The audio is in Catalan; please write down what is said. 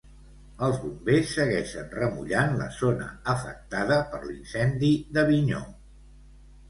Els Bombers segueixen remullant la zona afectada per l'incendi d'Avinyó.